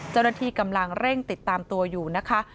เจ้าหน้าที่กำลังเร่งติดตามตัวอยู่นะคะ